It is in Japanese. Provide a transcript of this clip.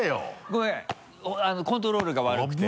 ごめんコントロールが悪くて。